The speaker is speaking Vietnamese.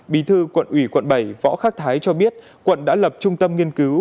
bí thư quận ủy quận bảy võ khắc thái cho biết quận đã lập trung tâm nghiên cứu